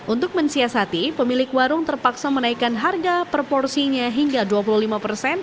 untuk mensiasati pemilik warung terpaksa menaikkan harga per porsinya hingga dua puluh lima persen